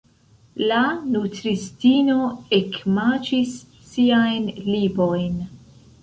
La nutristino ekmaĉis siajn lipojn.